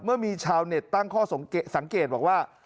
เมื่อมีชาวเน็ตตั้งข้อสังเกตบอกว่า